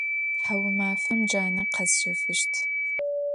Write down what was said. Thaumafem cane khesşefışt.